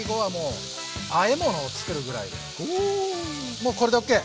もうこれでオッケー！